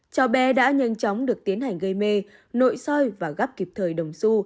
cháu bé đã nhanh chóng được tiến hành gây mê nội soi và gắp kịp thời đồng xu